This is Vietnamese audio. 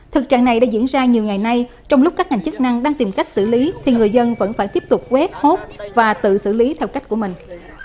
thực trạng này đã diễn ra nhiều ngày nay trong lúc các ngành chức năng đang tìm cách xử lý thì người dân vẫn phải tiếp tục quét hốt và tự xử lý theo cách của mình